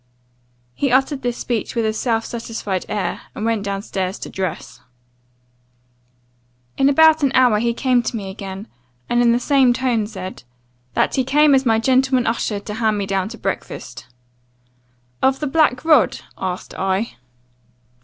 "He uttered this speech with a self satisfied air, and went down stairs to dress. "In about an hour he came to me again; and in the same tone said, 'That he came as my gentleman usher to hand me down to breakfast. "'Of the black rod?' asked I.